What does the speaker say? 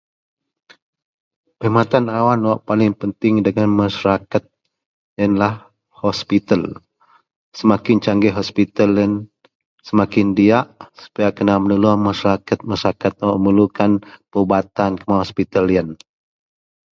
Perkhidmatan awam paling penting dagen masyatakat ialah hospital semakin canggih hospital yian semakin diak supaya kena menulung masyarakat yang memerlukan semakin perubatan dari hospital yian